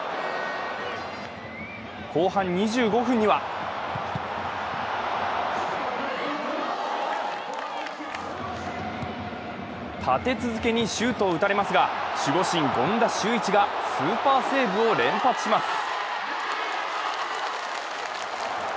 後半２５分には立て続けにシュートを打たれますが、守護神・権田修一がスーパーセーブを連発します。